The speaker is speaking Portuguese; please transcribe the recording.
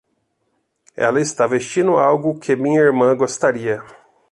Ela está vestindo algo que minha irmã gostaria.